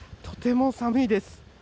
とても寒いです。